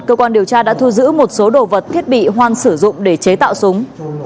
cơ quan điều tra đã thu giữ một số đồ vật thiết bị hoan sử dụng để chế tạo súng